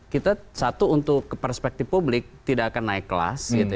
kita satu untuk perspektif publik tidak akan naik kelas